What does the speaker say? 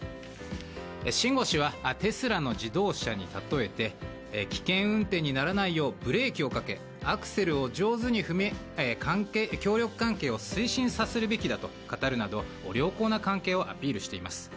シン・ゴウ氏はテスラの自動車に例えて危険運転にならないようにブレーキをかけアクセルを上手に踏み協力関係を推進させるべきだと語るなど、良好な関係をアピールしています。